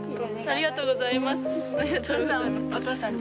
ありがとうございます。